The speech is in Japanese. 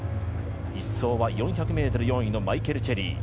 １走は４００ｍ４位のマイケル・チェリー。